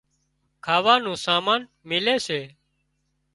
کاوا نُون سامان ميلي سي